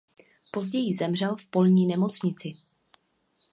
Později zemřel v polní nemocnici.